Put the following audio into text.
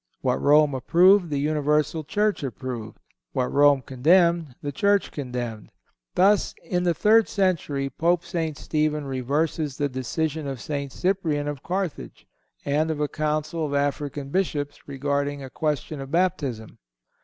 What Rome approved, the universal Church approved; what Rome condemned, the Church condemned. Thus, in the third century, Pope St. Stephen reverses the decision of St. Cyprian, of Carthage, and of a council of African bishops regarding a question of baptism.